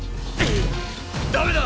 ダメだ！